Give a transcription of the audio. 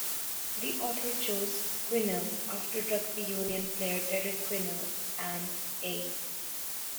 The author chose "Quinnell" after rugby union player Derek Quinnell and "A.